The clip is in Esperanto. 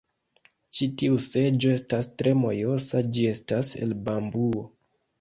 Ĉi tiu seĝo estas tre mojosa ĝi estas el bambuo